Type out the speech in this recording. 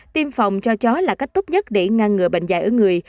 tiêm phòng cho chó là cách tốt nhất để ngăn ngừa bệnh dạy ở người